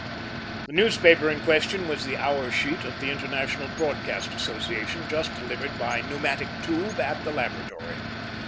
The newspaper in question was the hour sheet of the International Broadcast Association, just delivered by pneumatic tube at the laboratory.